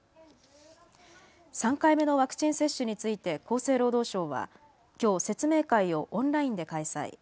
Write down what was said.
３回目のワクチン接種について厚生労働省はきょう説明会をオンラインで開催。